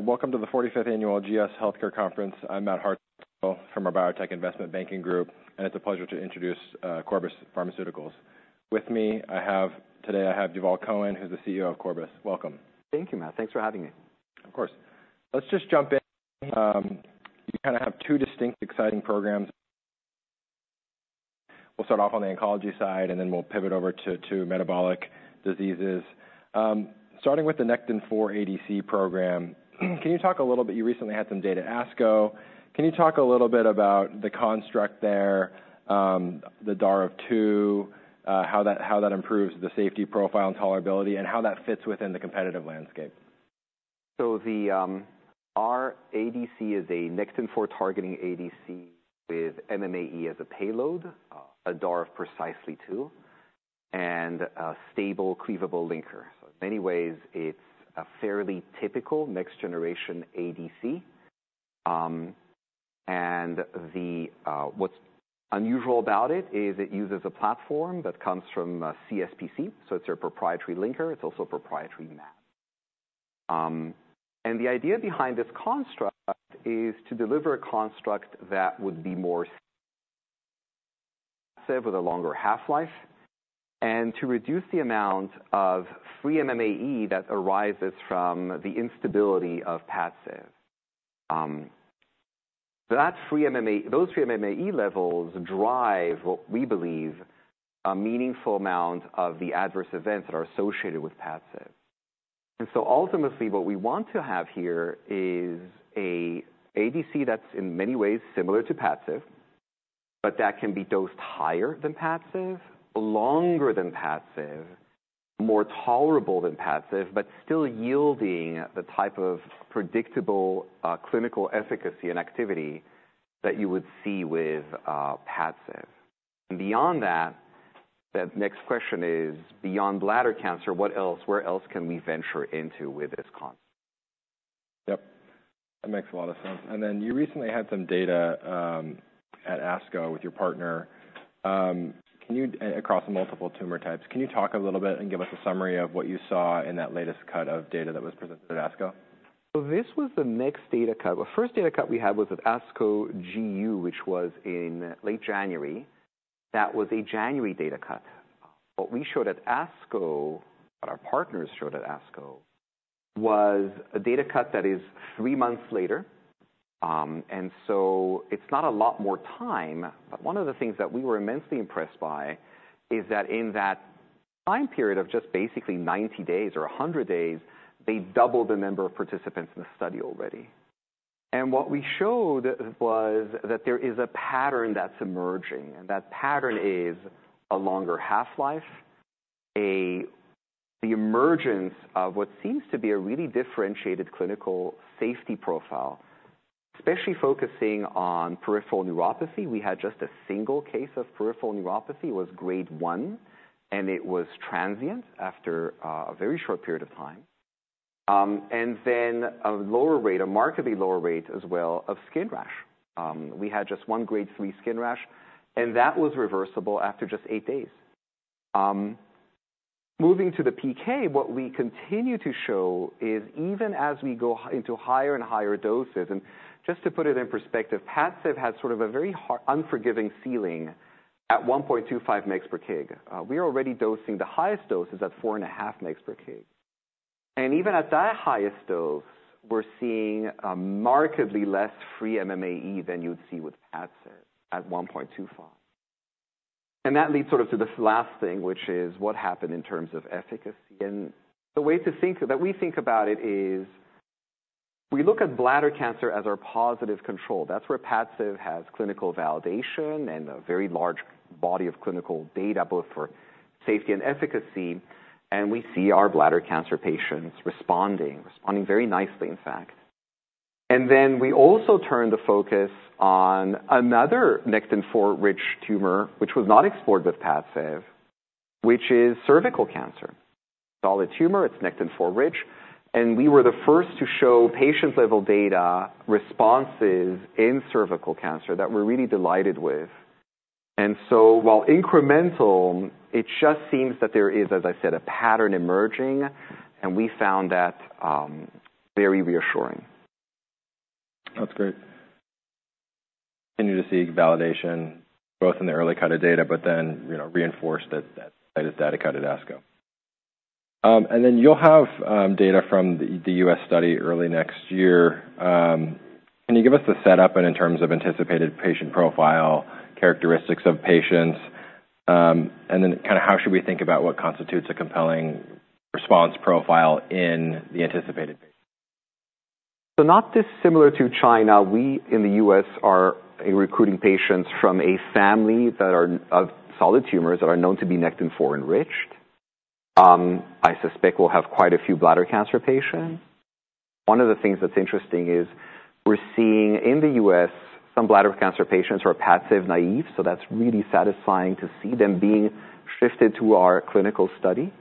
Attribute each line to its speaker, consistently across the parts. Speaker 1: Hi, welcome to the 45th annual GS healthcare conference. I'm Matt Hartwell from our Biotech Investment Banking Group, and it's a pleasure to introduce Corbus Pharmaceuticals. With me today, I have Yuval Cohen, who's the CEO of Corbus. Welcome.
Speaker 2: Thank you, Matt. Thanks for having me.
Speaker 1: Of course. Let's just jump in. You kind of have two distinct, exciting programs. We'll start off on the oncology side, and then we'll pivot over to metabolic diseases. Starting with the Nectin-4 ADC program, can you talk a little bit... You recently had some data at ASCO. Can you talk a little bit about the construct there, the DAR of two, how that improves the safety profile and tolerability, and how that fits within the competitive landscape?
Speaker 2: So our ADC is a Nectin-4 targeting ADC with MMAE as a payload, a DAR of precisely two, and a stable cleavable linker. So in many ways, it's a fairly typical next generation ADC. And what's unusual about it is it uses a platform that comes from CSPC, so it's their proprietary linker. It's also a proprietary mAb. And the idea behind this construct is to deliver a construct that would be more safe with a longer half-life, and to reduce the amount of free MMAE that arises from the instability of Padcev. So that free MMAE levels drive, what we believe, a meaningful amount of the adverse events that are associated with Padcev. And so ultimately, what we want to have here is an ADC that's, in many ways, similar to Padcev, but that can be dosed higher than Padcev, longer than Padcev, more tolerable than Padcev, but still yielding the type of predictable, clinical efficacy and activity that you would see with, Padcev. And beyond that, the next question is, beyond bladder cancer, what else, where else can we venture into with this con?
Speaker 1: Yep, that makes a lot of sense. And then you recently had some data at ASCO with your partner across multiple tumor types. Can you talk a little bit and give us a summary of what you saw in that latest cut of data that was presented at ASCO?
Speaker 2: So this was the next data cut. The first data cut we had was at ASCO GU, which was in late January. That was a January data cut. What we showed at ASCO, what our partners showed at ASCO, was a data cut that is three months later. And so it's not a lot more time, but one of the things that we were immensely impressed by is that in that time period of just basically 90 days or 100 days, they doubled the number of participants in the study already. And what we showed was that there is a pattern that's emerging, and that pattern is a longer half-life, the emergence of what seems to be a really differentiated clinical safety profile, especially focusing on peripheral neuropathy. We had just a single case of peripheral neuropathy, was grade one, and it was transient after a very short period of time. And then a lower rate, a markedly lower rate as well, of skin rash. We had just one grade three skin rash, and that was reversible after just eight days. Moving to the PK, what we continue to show is even as we go into higher and higher doses, and just to put it in perspective, Padcev has sort of a very unforgiving ceiling at 1.25 mg/kg. We are already dosing the highest doses at 4.5 mg/kg. And even at that highest dose, we're seeing a markedly less free MMAE than you'd see with Padcev at 1.25. And that leads sort of to this last thing, which is what happened in terms of efficacy? And the way to think that we think about it is, we look at bladder cancer as our positive control. That's where Padcev has clinical validation and a very large body of clinical data, both for safety and efficacy, and we see our bladder cancer patients responding, responding very nicely, in fact. And then we also turn the focus on another Nectin-4 rich tumor, which was not explored with Padcev, which is cervical cancer. Solid tumor, it's Nectin-4 rich, and we were the first to show patient-level data responses in cervical cancer that we're really delighted with. And so while incremental, it just seems that there is, as I said, a pattern emerging, and we found that very reassuring.
Speaker 1: That's great. Continue to see validation, both in the early cut of data, but then, you know, reinforce that, that latest data cut at ASCO. And then you'll have data from the U.S. study early next year. Can you give us the setup and in terms of anticipated patient profile, characteristics of patients, and then kind of how should we think about what constitutes a compelling response profile in the anticipated?
Speaker 2: So not dissimilar to China, we in the U.S. are recruiting patients from a family that are of solid tumors that are known to be Nectin-4 enriched. I suspect we'll have quite a few bladder cancer patients. One of the things that's interesting is we're seeing in the U.S., some bladder cancer patients who are Padcev naive, so that's really satisfying to see them being shifted to our clinical study.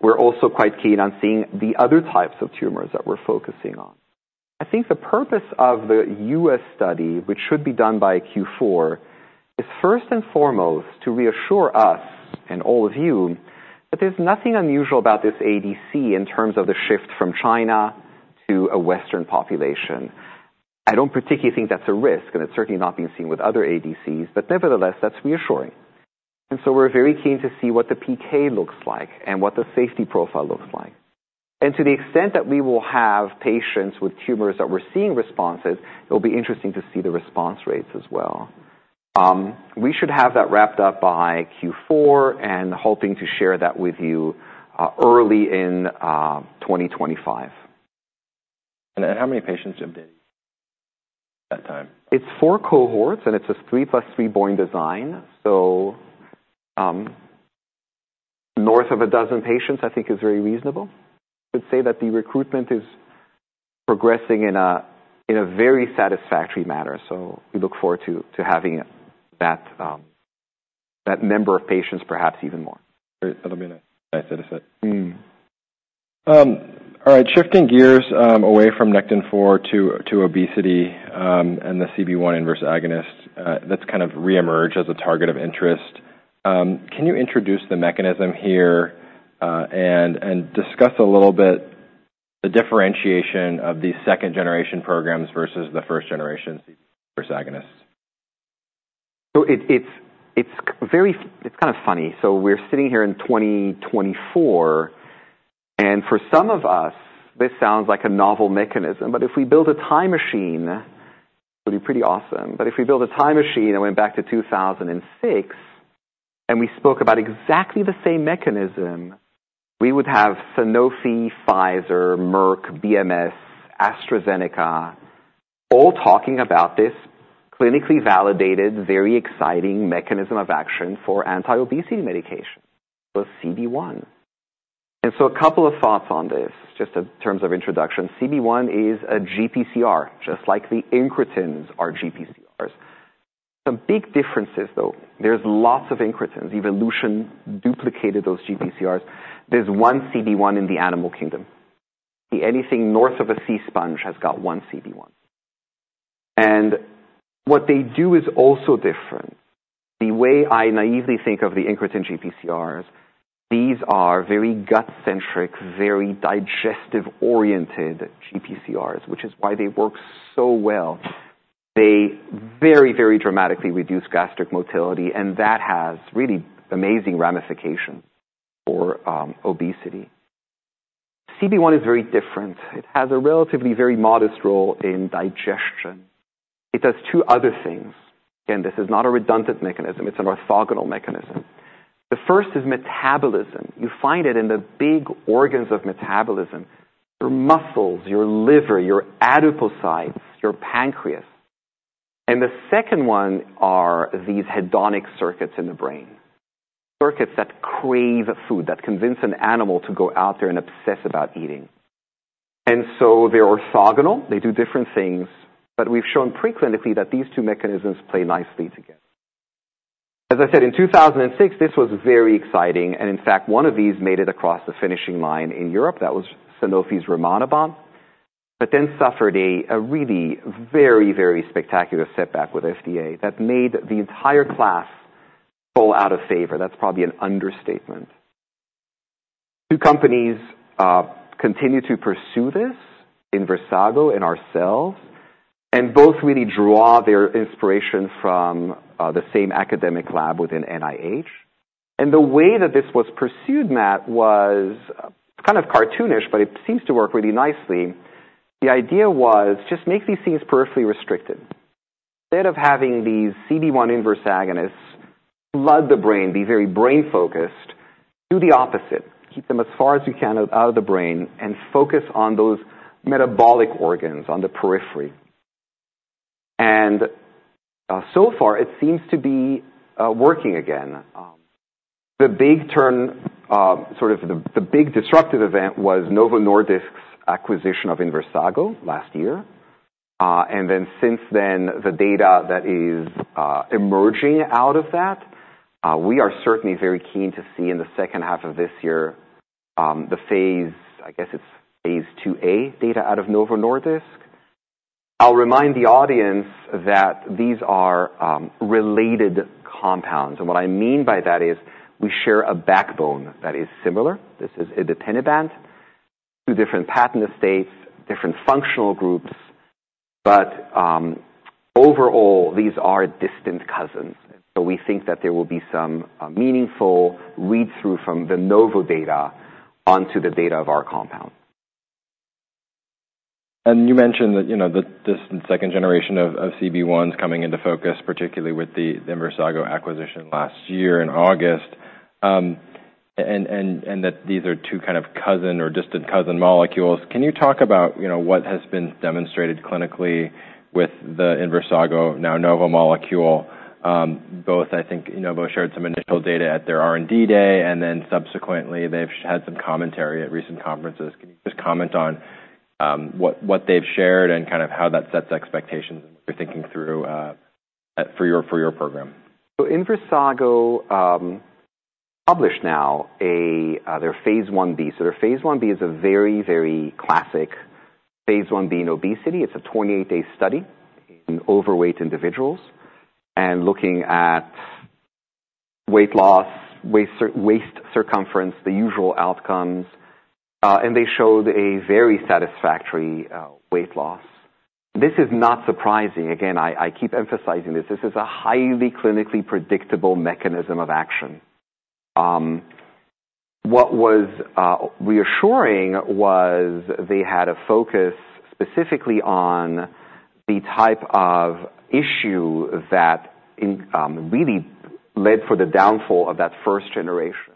Speaker 2: We're also quite keen on seeing the other types of tumors that we're focusing on. I think the purpose of the U.S. study, which should be done by Q4, is first and foremost to reassure us and all of you that there's nothing unusual about this ADC in terms of the shift from China to a Western population. I don't particularly think that's a risk, and it's certainly not being seen with other ADCs, but nevertheless, that's reassuring. And so we're very keen to see what the PK looks like and what the safety profile looks like. And to the extent that we will have patients with tumors that we're seeing responses, it'll be interesting to see the response rates as well. We should have that wrapped up by Q4 and hoping to share that with you early in 2025.
Speaker 1: How many patients have been that time?
Speaker 2: It's four cohorts, and it's a 3 + 3 design. So, north of a dozen patients, I think, is very reasonable. I would say that the recruitment is progressing in a very satisfactory manner, so we look forward to having that number of patients, perhaps even more.
Speaker 1: Great. That'll be nice to see.
Speaker 2: Mm.
Speaker 1: All right, shifting gears, away from Nectin-4 to obesity, and the CB1 inverse agonist that's kind of reemerged as a target of interest. Can you introduce the mechanism here, and discuss a little bit the differentiation of these second-generation programs versus the first-generation agonists?
Speaker 2: So it's very, it's kind of funny. So we're sitting here in 2024, and for some of us, this sounds like a novel mechanism, but if we build a time machine, it'd be pretty awesome. But if we build a time machine and went back to 2006, and we spoke about exactly the same mechanism, we would have Sanofi, Pfizer, Merck, BMS, AstraZeneca, all talking about this clinically validated, very exciting mechanism of action for anti-obesity medication, so CB1. And so a couple of thoughts on this, just in terms of introduction. CB1 is a GPCR, just like the incretins are GPCRs. Some big differences, though, there's lots of incretins. Evolution duplicated those GPCRs. There's one CB1 in the animal kingdom. The, anything north of a sea sponge has got one CB1. And what they do is also different. The way I naively think of the incretin GPCRs, these are very gut-centric, very digestive-oriented GPCRs, which is why they work so well. They very, very dramatically reduce gastric motility, and that has really amazing ramification for obesity. CB1 is very different. It has a relatively very modest role in digestion. It does two other things, and this is not a redundant mechanism. It's an orthogonal mechanism. The first is metabolism. You find it in the big organs of metabolism, your muscles, your liver, your adipocytes, your pancreas. And the second one are these hedonic circuits in the brain. Circuits that crave food, that convince an animal to go out there and obsess about eating. And so they're orthogonal, they do different things, but we've shown preclinically that these two mechanisms play nicely together. As I said, in 2006, this was very exciting, and in fact, one of these made it across the finishing line in Europe. That was Sanofi's Rimonabant, but then suffered a really very, very spectacular setback with FDA that made the entire class fall out of favor. That's probably an understatement. Two companies continue to pursue this, Inversago and ourselves, and both really draw their inspiration from the same academic lab within NIH. And the way that this was pursued, Matt, was kind of cartoonish, but it seems to work really nicely. The idea was just make these things peripherally restricted. Instead of having these CB1 inverse agonists flood the brain, be very brain-focused, do the opposite. Keep them as far as you can out of the brain and focus on those metabolic organs on the periphery. And, so far, it seems to be working again. The big turn, sort of the big disruptive event was Novo Nordisk's acquisition of Inversago last year. And then since then, the data that is emerging out of that, we are certainly very keen to see in the second half of this year, the phase, I guess, it's phase II-A data out of Novo Nordisk. I'll remind the audience that these are related compounds, and what I mean by that is we share a backbone that is similar. This is Ibipinabant, two different patent estates, different functional groups, but, overall, these are distant cousins, so we think that there will be some meaningful read-through from the Novo data onto the data of our compound.
Speaker 1: You mentioned that, you know, this second generation of CB1s coming into focus, particularly with the Inversago acquisition last year in August. And that these are two kind of cousin or distant cousin molecules. Can you talk about, you know, what has been demonstrated clinically with the Inversago, now Novo Nordisk molecule? I think, you know, both shared some initial data at their R&D day, and then subsequently, they've had some commentary at recent conferences. Can you just comment on, what they've shared and kind of how that sets expectations you're thinking through, for your program?
Speaker 2: So Inversago published now their phase I-B. So their phase I-B is a very, very classic phase II-B in obesity. It's a 28-day study in overweight individuals and looking at weight loss, waist circumference, the usual outcomes, and they showed a very satisfactory weight loss. This is not surprising. Again, I keep emphasizing this. This is a highly clinically predictable mechanism of action. What was reassuring was they had a focus specifically on the type of issue that in really led for the downfall of that first generation.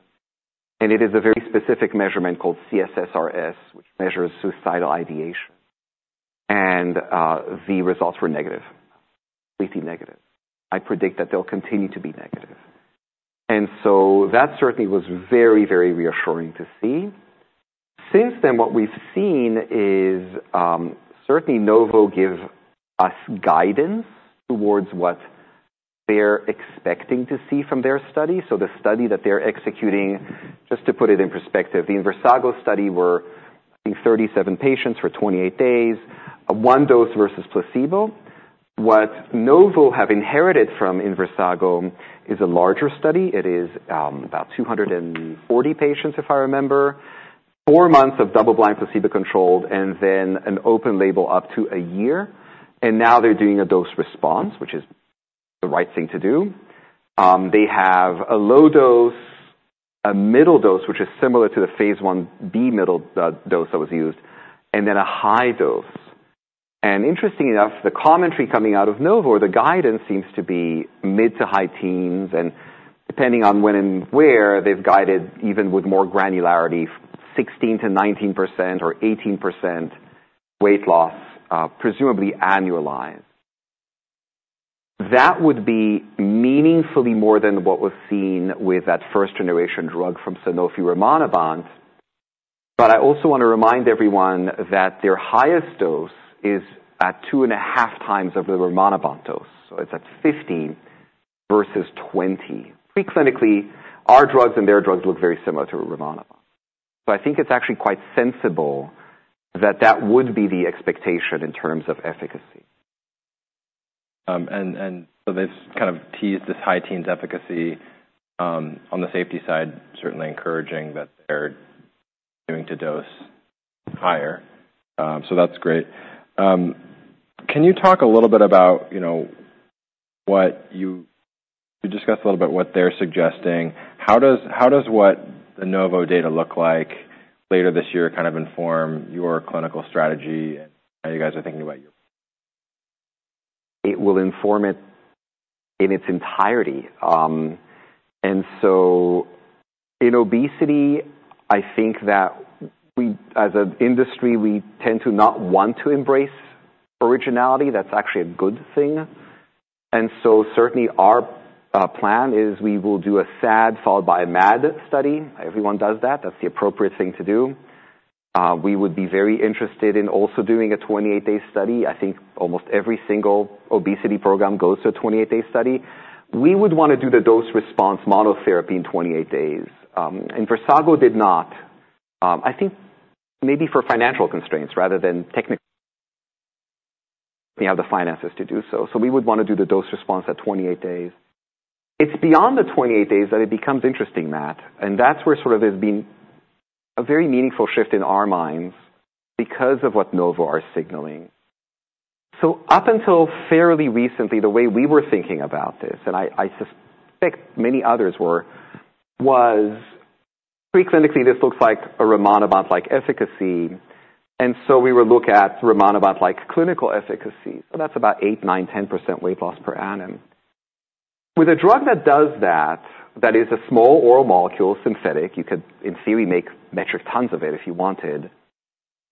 Speaker 2: And it is a very specific measurement called C-SSRS, which measures suicidal ideation. And the results were negative, pretty negative. I predict that they'll continue to be negative. And so that certainly was very, very reassuring to see. Since then, what we've seen is, certainly Novo give us guidance towards what they're expecting to see from their study. So the study that they're executing, just to put it in perspective, the Inversago study were in 37 patients for 28 days, one dose versus placebo. What Novo have inherited from Inversago is a larger study. It is, about 240 patients, if I remember. four months of double blind placebo controlled, and then an open label up to a year, and now they're doing a dose response, which is the right thing to do. They have a low dose, a middle dose, which is similar to the phaseI-B middle dose that was used, and then a high dose. And interestingly enough, the commentary coming out of Novo, the guidance seems to be mid to high teens, and depending on when and where, they've guided, even with more granularity, 16%-19% or 18% weight loss, presumably annualized. That would be meaningfully more than what was seen with that 1st-generation drug from Sanofi, Rimonabant. But I also wanna remind everyone that their highest dose is at 2.5x of the Rimonabant dose, so it's at 15 versus 20. Pre-clinically, our drugs and their drugs look very similar to Rimonabant. So I think it's actually quite sensible that that would be the expectation in terms of efficacy.
Speaker 1: So they've kind of teased this high teens efficacy, on the safety side, certainly encouraging that they're going to dose higher. So that's great. Can you talk a little bit about, you know, what you... You discussed a little bit what they're suggesting. How does, how does what the Novo data look like later this year, kind of inform your clinical strategy and how you guys are thinking about your-
Speaker 2: It will inform it in its entirety. And so in obesity, I think that we, as an industry, we tend to not want to embrace originality. That's actually a good thing. And so certainly our plan is we will do a SAD followed by a MAD study. Everyone does that. That's the appropriate thing to do. We would be very interested in also doing a 28-day study. I think almost every single obesity program goes to a 28-day study. We would wanna do the dose response monotherapy in 28 days. And Inversago did not, I think maybe for financial constraints rather than technical. They have the finances to do so. So we would wanna do the dose response at 28 days. It's beyond the 28 days that it becomes interesting, Matt, and that's where sort of there's been a very meaningful shift in our minds because of what Novo are signaling. So up until fairly recently, the way we were thinking about this, and I, I suspect many others were, was pre-clinically, this looks like a Rimonabant-like efficacy, and so we would look at Rimonabant-like clinical efficacy, so that's about eight, nine, 10% weight loss per annum. With a drug that does that, that is a small oral molecule, synthetic, you could in theory, make metric tons of it if you wanted.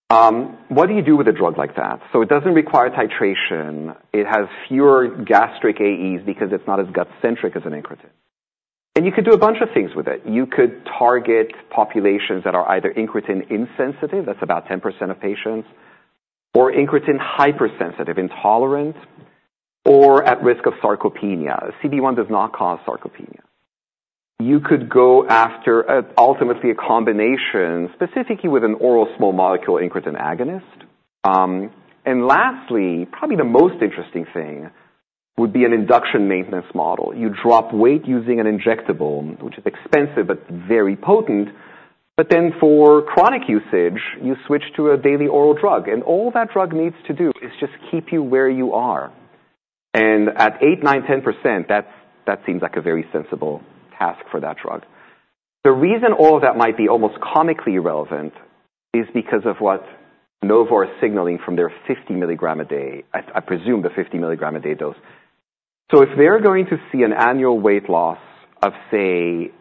Speaker 2: What do you do with a drug like that? So it doesn't require titration. It has fewer gastric AEs because it's not as gut-centric as an incretin, and you could do a bunch of things with it. You could target populations that are either incretin insensitive, that's about 10% of patients, or incretin hypersensitive, intolerant, or at risk of sarcopenia. CB1 does not cause sarcopenia. You could go after, ultimately a combination, specifically with an oral small molecule incretin agonist. And lastly, probably the most interesting thing would be an induction maintenance model. You drop weight using an injectable, which is expensive but very potent, but then for chronic usage, you switch to a daily oral drug, and all that drug needs to do is just keep you where you are. And at eight, nine, 10%, that's, that seems like a very sensible task for that drug. The reason all of that might be almost comically irrelevant is because of what Novo is signaling from their 50 milligram a day, I, I presume the 50 milligram a day dose. So if they're going to see an annual weight loss of, say,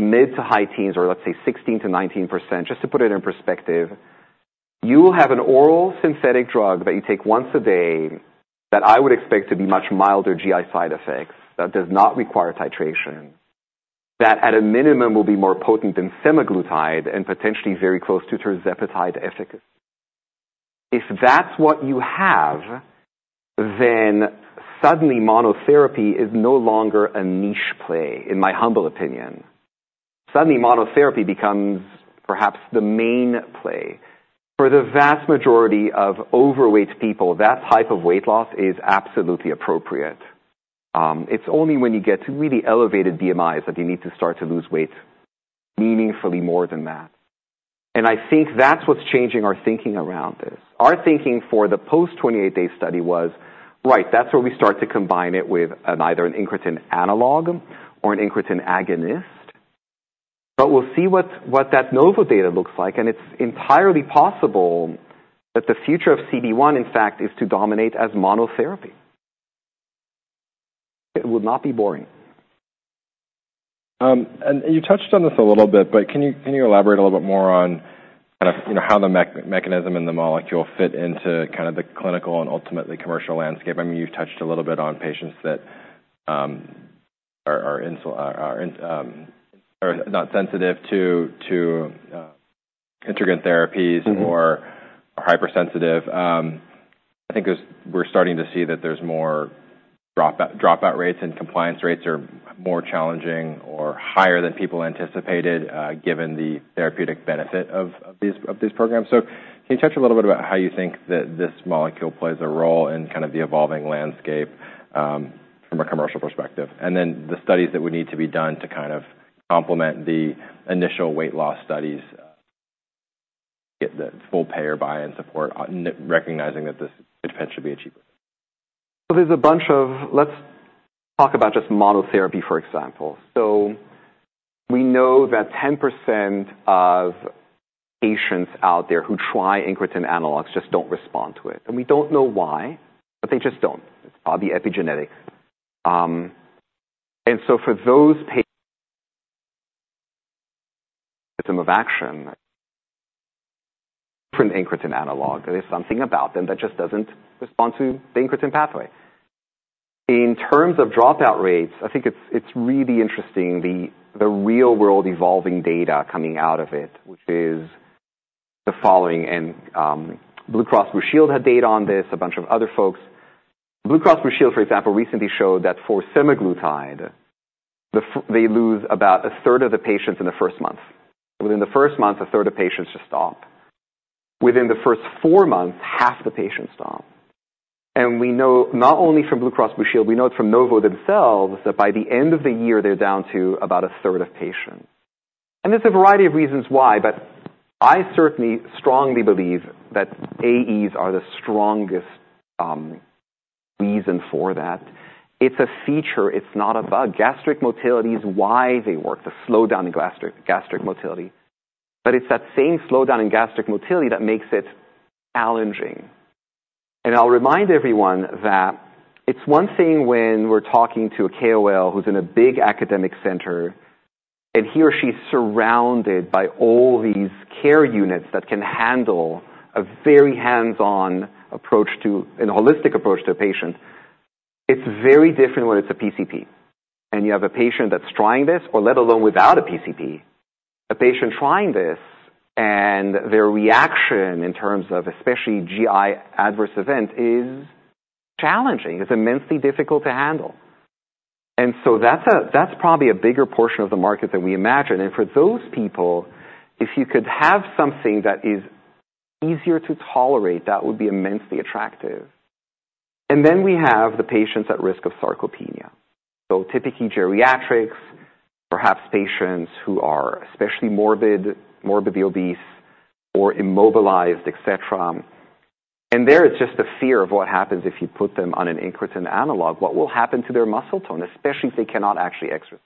Speaker 2: mid to high teens, or let's say 16%-19%, just to put it in perspective, you will have an oral synthetic drug that you take once a day, that I would expect to be much milder GI side effects, that does not require titration. That at a minimum will be more potent than semaglutide and potentially very close to tirzepatide efficacy. If that's what you have, then suddenly monotherapy is no longer a niche play, in my humble opinion. Suddenly, monotherapy becomes perhaps the main play. For the vast majority of overweight people, that type of weight loss is absolutely appropriate. It's only when you get to really elevated BMIs that you need to start to lose weight meaningfully more than that. And I think that's what's changing our thinking around this. Our thinking for the post-28-day study was, right, that's where we start to combine it with either an incretin analog or an incretin agonist. But we'll see what, what that Novo data looks like, and it's entirely possible that the future of CB1, in fact, is to dominate as monotherapy. It would not be boring.
Speaker 1: You touched on this a little bit, but can you elaborate a little bit more on kind of, you know, how the mechanism in the molecule fit into kind of the clinical and ultimately commercial landscape? I mean, you've touched a little bit on patients that are not sensitive to incretin therapies-
Speaker 2: Mm-hmm.
Speaker 1: or are hypersensitive. I think as we're starting to see that there's more dropout rates and compliance rates are more challenging or higher than people anticipated, given the therapeutic benefit of, of these, of these programs. So can you touch a little bit about how you think that this molecule plays a role in kind of the evolving landscape, from a commercial perspective? And then the studies that would need to be done to kind of complement the initial weight loss studies, get the full payer buy-in support, recognizing that this should be achievable.
Speaker 2: Well, there's a bunch of... Let's talk about just monotherapy, for example. So we know that 10% of patients out there who try incretin analogs just don't respond to it, and we don't know why, but they just don't. It's all the epigenetic. And so for those system of action from incretin analog, there's something about them that just doesn't respond to the incretin pathway. In terms of dropout rates, I think it's really interesting, the real-world evolving data coming out of it, which is the following. Blue Cross Blue Shield had data on this, a bunch of other folks. Blue Cross Blue Shield, for example, recently showed that for Semaglutide, they lose about a third of the patients in the first month. Within the first month, a third of patients just stop. Within the first four months, half the patients stop. We know, not only from Blue Cross Blue Shield, we know it from Novo themselves, that by the end of the year, they're down to about a third of patients. There's a variety of reasons why, but I certainly strongly believe that AEs are the strongest reason for that. It's a feature, it's not a bug. Gastric motility is why they work, the slowdown in gastric motility. But it's that same slowdown in gastric motility that makes it challenging. I'll remind everyone that it's one thing when we're talking to a KOL who's in a big academic center, and he or she is surrounded by all these care units that can handle a very hands-on approach to an holistic approach to a patient. It's very different when it's a PCP, and you have a patient that's trying this, or let alone without a PCP, a patient trying this, and their reaction in terms of especially GI adverse event, is challenging. It's immensely difficult to handle. And so that's probably a bigger portion of the market than we imagined. And for those people, if you could have something that is easier to tolerate, that would be immensely attractive. And then we have the patients at risk of sarcopenia. So typically geriatrics, perhaps patients who are especially morbid, morbidly obese or immobilized, et cetera. And there is just a fear of what happens if you put them on an incretin analog. What will happen to their muscle tone, especially if they cannot actually exercise?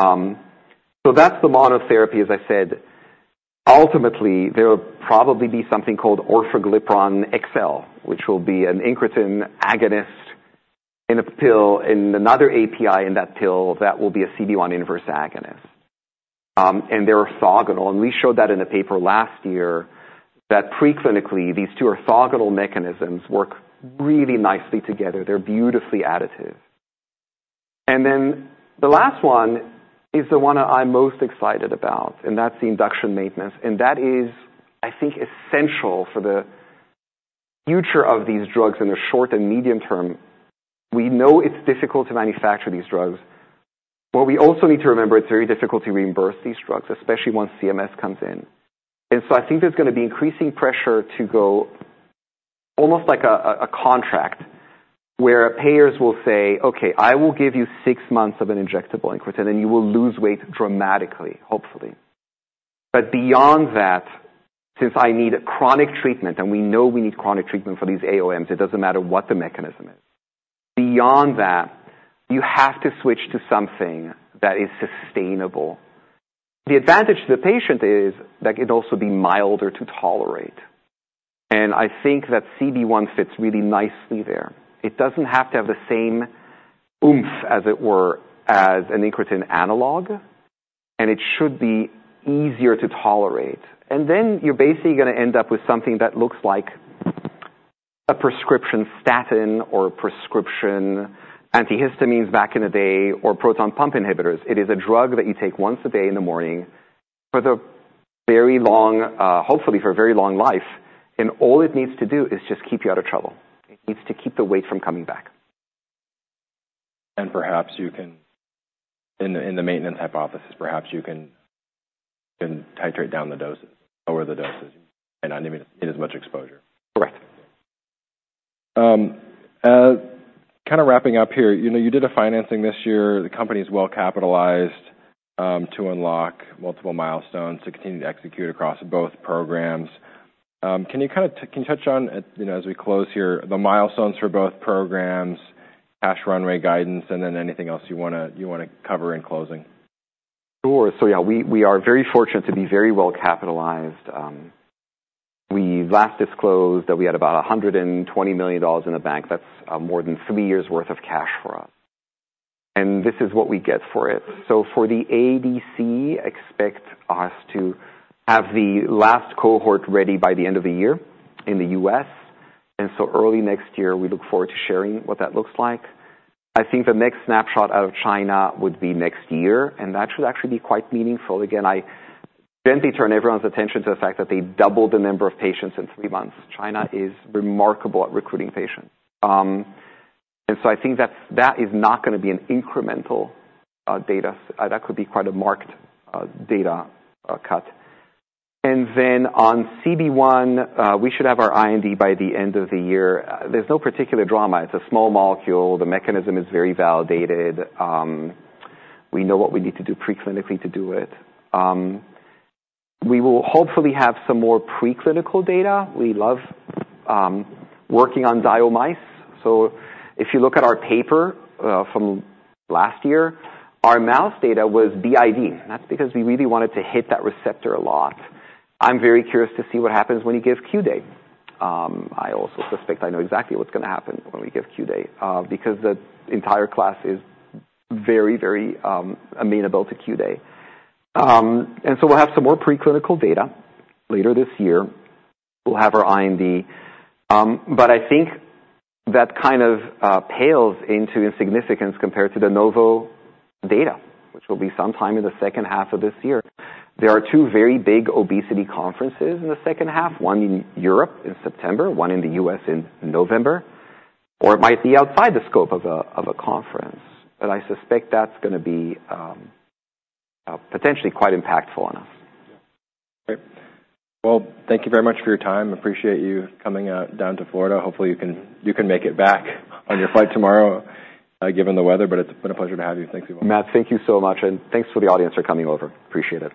Speaker 2: So that's the monotherapy as I said. Ultimately, there will probably be something called Orforglipron XL, which will be an incretin agonist in a pill, and another API in that pill, that will be a CB1 inverse agonist. And they're orthogonal, and we showed that in a paper last year, that preclinically, these two orthogonal mechanisms work really nicely together. They're beautifully additive. And then the last one is the one I'm most excited about, and that's the induction maintenance, and that is, I think, essential for the future of these drugs in the short and medium term. We know it's difficult to manufacture these drugs, but we also need to remember it's very difficult to reimburse these drugs, especially once CMS comes in. And so I think there's gonna be increasing pressure to go almost like a contract, where payers will say, "Okay, I will give you six months of an injectable incretin, and you will lose weight dramatically," hopefully. "But beyond that, since I need chronic treatment," and we know we need chronic treatment for these AOMs, it doesn't matter what the mechanism is. "Beyond that, you have to switch to something that is sustainable." The advantage to the patient is that it could also be milder to tolerate, and I think that CB1 fits really nicely there. It doesn't have to have the same oomph, as it were, as an incretin analog, and it should be easier to tolerate. And then you're basically gonna end up with something that looks like a prescription statin or prescription antihistamines back in the day, or proton pump inhibitors. It is a drug that you take once a day in the morning, hopefully for a very long life, and all it needs to do is just keep you out of trouble. It needs to keep the weight from coming back.
Speaker 1: Perhaps you can, in the maintenance hypothesis, perhaps you can titrate down the doses, lower the doses, and not even get as much exposure.
Speaker 2: Correct.
Speaker 1: Kind of wrapping up here. You know, you did a financing this year. The company is well capitalized to unlock multiple milestones to continue to execute across both programs. Can you kind of touch on, you know, as we close here, the milestones for both programs, cash runway guidance, and then anything else you wanna cover in closing?
Speaker 2: Sure. So yeah, we, we are very fortunate to be very well capitalized. We last disclosed that we had about $120 million in the bank. That's more than three years' worth of cash for us, and this is what we get for it. So for the ADC, expect us to have the last cohort ready by the end of the year in the U.S., and so early next year, we look forward to sharing what that looks like. I think the next snapshot out of China would be next year, and that should actually be quite meaningful. Again, I gently turn everyone's attention to the fact that they doubled the number of patients in three months. China is remarkable at recruiting patients. And so I think that's, that is not gonna be an incremental data. That could be quite a marked data cut. And then on CB1, we should have our IND by the end of the year. There's no particular drama. It's a small molecule. The mechanism is very validated. We know what we need to do preclinically to do it. We will hopefully have some more preclinical data. We love working on DIO mice. So if you look at our paper from last year, our mouse data was DIO, and that's because we really wanted to hit that receptor a lot. I'm very curious to see what happens when you give QDay. I also suspect I know exactly what's gonna happen when we give QDay, because the entire class is very, very amenable to QDay. And so we'll have some more preclinical data later this year. We'll have our IND, but I think that kind of pales into insignificance compared to the Novo data, which will be sometime in the second half of this year. There are two very big obesity conferences in the second half, one in Europe in September, one in the U.S. in November, or it might be outside the scope of a conference, but I suspect that's gonna be potentially quite impactful on us.
Speaker 1: Great. Well, thank you very much for your time. Appreciate you coming out, down to Florida. Hopefully you can make it back on your flight tomorrow, given the weather, but it's been a pleasure to have you. Thank you.
Speaker 2: Matt, thank you so much, and thanks to the audience for coming over. Appreciate it.